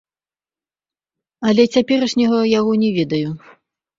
Але цяперашняга яго не ведаю.